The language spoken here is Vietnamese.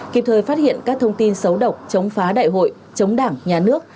kịp thời phát hiện các thông tin xấu độc chống phá đại hội chống đảng nhà nước